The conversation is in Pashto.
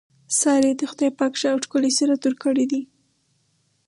سارې ته خدای پاک ښه او ښکلی صورت ورکړی دی.